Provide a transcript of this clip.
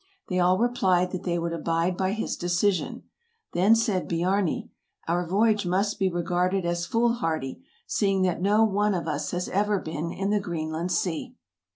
They all replied that they would abide by his decision. Then said Biarni, "Our voyage must be regarded as fool hardy, seeing that no one of us has ever been in the Green land Sea."